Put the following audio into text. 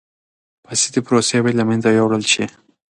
فاسدی پروسې باید له منځه یوړل شي.